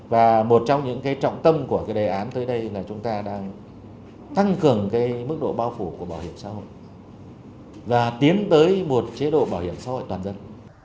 và một trong những trọng tâm của cái đề án tới đây là chúng ta đang tăng cường cái mức độ bao phủ của bảo hiểm xã hội và tiến tới một chế độ bảo hiểm xã hội toàn dân